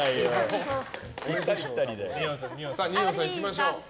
二葉さん、いきましょう。